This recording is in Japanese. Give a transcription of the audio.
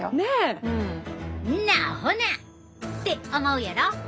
んなアホなって思うやろ。